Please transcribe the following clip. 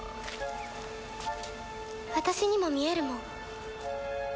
私にも見えるもん